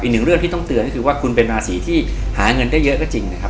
อีกหนึ่งเรื่องที่ต้องเตือนก็คือว่าคุณเป็นราศีที่หาเงินได้เยอะก็จริงนะครับ